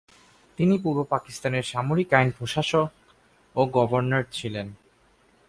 তিনি পূর্ব পাকিস্তানের সামরিক আইন প্রশাসক ও গভর্নর ছিলেন।